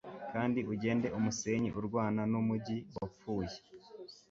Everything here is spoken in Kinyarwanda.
kandi ugende umusenyi urwana numujyi wapfuye